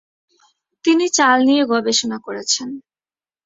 তিনি চাল নিয়ে গবেষণা করেছেন।